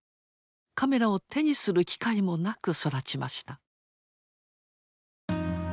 カメラを手にする機会もなく育ちました。